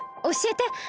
おしえて。